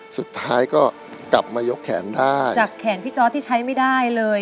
สุดท้ายก็กลับมายกแขนได้จากแขนพี่จอร์ดที่ใช้ไม่ได้เลย